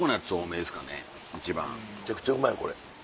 めちゃくちゃうまいよこれ。